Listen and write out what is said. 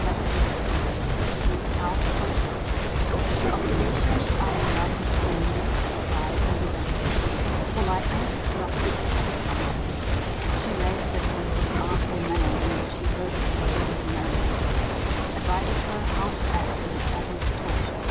LETTER L. Miss Howe to Clarissa. Observations on Lovelace's meanness, pride, and revenge. Politeness not to be expected from him. She raves at him for the artful manner in which he urges Clarissa to marry him. Advises her how to act in her present situation.